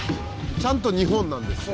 ちゃんと日本なんですね。